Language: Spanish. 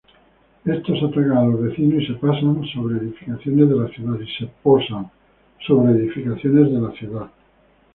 Estos atacan a los vecinos y se posan sobre edificaciones de la ciudad.